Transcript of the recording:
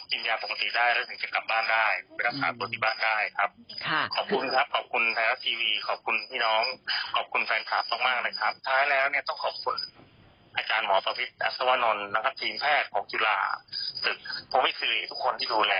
ชาวนอนชีวิตแพทย์ของกีฬาศึกภพวิสุริทุกคนที่ดูแล